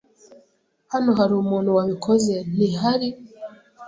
Hano hari umuntu wabikoze, ntihari?